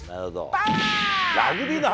パワー！